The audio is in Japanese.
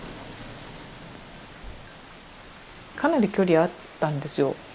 かなり距離あったんですよ。